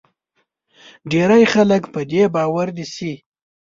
ډیری خلک په دې باور دي چې